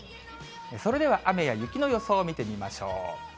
それでは雨や雪の予想を見てみましょう。